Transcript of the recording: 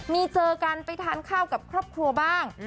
มีเจอกันไปทานข้าวกับครอบครัวบ้าง